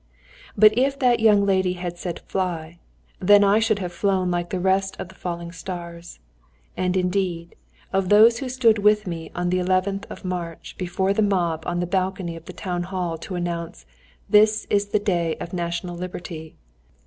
But if that young lady had said "Fly!" then I should have flown like the rest after the falling stars. And, indeed, of those who stood with me on the 11th March before the mob on the balcony of the town hall to announce "This is the day of national liberty!"